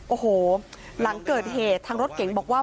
โอ้โหหลังเกิดเหตุทางรถเก๋งบอกว่า